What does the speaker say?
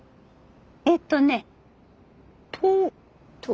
えっとねと。